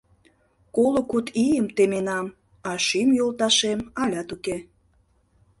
Коло куд ийым теменам, а шӱм йолташем алят уке.